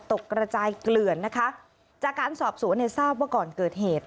กระจายเกลื่อนนะคะจากการสอบสวนเนี่ยทราบว่าก่อนเกิดเหตุ